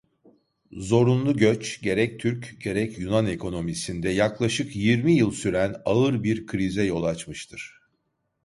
Zorunlu göç gerek Türk gerek Yunan ekonomisinde yaklaşık yirmi yıl süren ağır bir krize yol açmıştır.